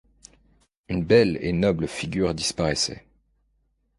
Une belle et noble figure disparaissait.